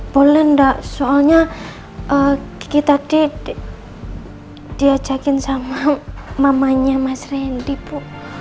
boleh enggak soalnya kita diajakin sama mamanya mas randy bu